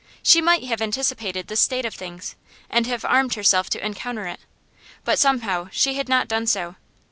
She might have anticipated this state of things, and have armed herself to encounter it, but somehow she had not done so.